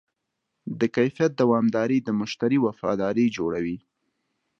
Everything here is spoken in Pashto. د کیفیت دوامداري د مشتری وفاداري جوړوي.